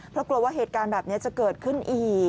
เพราะกลัวว่าเหตุการณ์แบบนี้จะเกิดขึ้นอีก